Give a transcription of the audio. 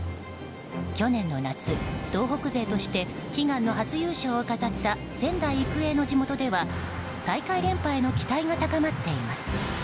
去年の夏、東北勢として悲願の初優勝を飾った仙台育英の地元では大会連覇への期待が高まっています。